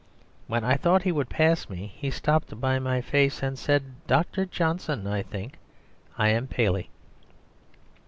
When I thought he would pass me, he stopped before my face, and said, "Dr. Johnson, I think. I am Paley."